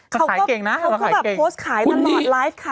เขาก็แบบโพสต์ขายมันหมดไลฟ์ขายตลอด